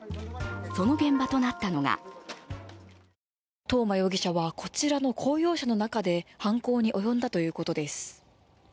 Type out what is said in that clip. その現場となったのが東間容疑者はこちらの公用車の中で犯行に及んだということです。